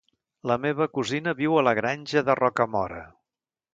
La meva cosina viu a la Granja de Rocamora.